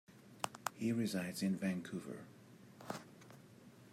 He resides in Vancouver.